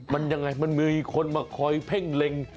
มันยังไงมันมีคนมาคอยเพ่งเล็ง